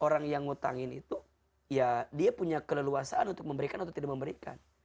orang yang ngutangin itu ya dia punya keleluasaan untuk memberikan atau tidak memberikan